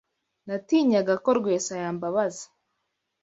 Natinyaga ko Rwesa yambabaza.